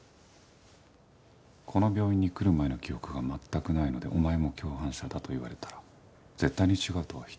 この病院に来る前の記憶が全くないのでお前も共犯者だと言われたら絶対に違うとは否定できません。